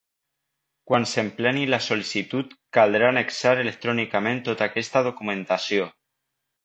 Quan s'empleni la sol·licitud caldrà annexar electrònicament tota aquesta documentació.